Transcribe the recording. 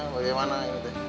bagaimana ini teh